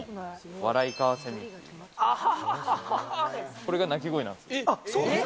これが鳴き声なんです。